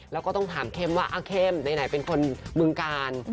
แล้วก็ต้องถามเข้มว่าเข้มไหนเป็นคนบึงกาล